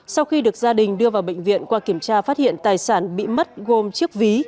sau khi được gia đình đưa vào bệnh viện qua kiểm tra phát hiện tài sản bị mất gồm chiếc ví